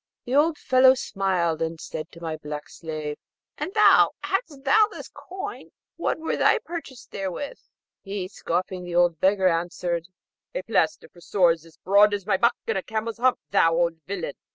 The old fellow smiled, and said to my black slave, 'And thou, hadst thou this coin, what were thy purchase therewith?' He, scoffing the old beggar, answered, 'A plaister for sores as broad as my back, and a camel's hump, O thou old villain!'